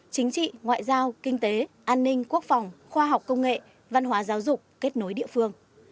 chính trị ngoại giao kinh tế an ninh quốc phòng khoa học công nghệ văn hóa giáo dục kết nối địa phương